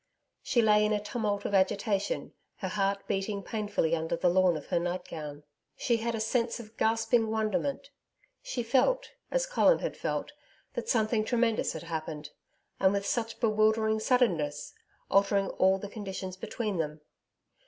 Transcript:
She lay in a tumult of agitation, her heart beating painfully under the lawn of her nightgown. She had a sense of gasping wonderment. She felt, as Colin had felt, that something tremendous had happened and with such bewildering suddenness altering all the conditions between them.